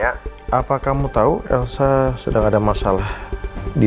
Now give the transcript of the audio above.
jadi pakai gaya mahasiswa melepaskan anak panggilan ini